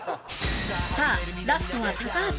さあラストは高橋